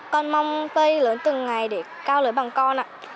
con mong cây lớn từng ngày để cao lấy bằng con ạ